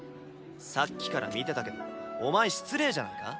さっきから見てたけどお前失礼じゃないか？